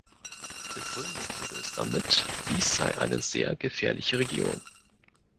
Begründet wurde es damit, dies sei eine sehr gefährliche Region.